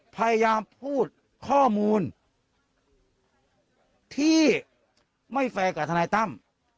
พยายามพูดข้อมูลที่ไม่แฟร์กับทนายตั้ม